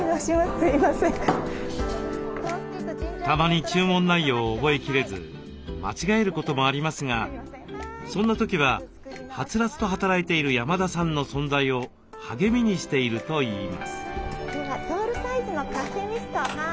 たまに注文内容を覚えきれず間違えることもありますがそんな時ははつらつと働いている山田さんの存在を励みにしているといいます。